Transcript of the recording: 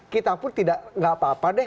kita pun tidak apa apa deh